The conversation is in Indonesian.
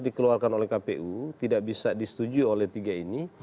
dikeluarkan oleh kpu tidak bisa disetujui oleh tiga ini